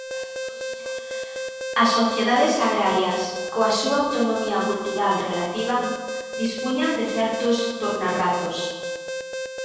As sociedades agrarias, coa súa autonomía cultural relativa, dispuñan de certos tornarratos.